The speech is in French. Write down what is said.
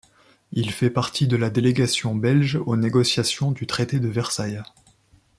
Il fit partie de la délégation belge aux négociations du traité de Versailles.